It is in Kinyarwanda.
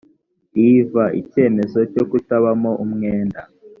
iv icyemezo cyo kutabamo umwenda